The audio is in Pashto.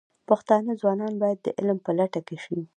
پښتانه ځوانان باید د علم په لټه کې شي.